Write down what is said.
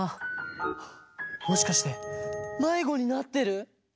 あもしかしてまいごになってる？